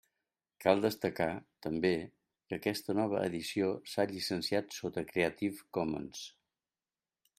Cal destacar també que aquesta nova edició s'ha llicenciat sota Creative Commons.